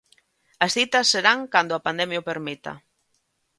As citas serán cando a pandemia o permita.